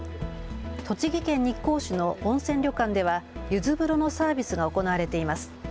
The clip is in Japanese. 栃木県日光市の温泉旅館ではゆず風呂のサービスが行われています。